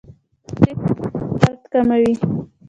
مالټې د معدې درد کموي.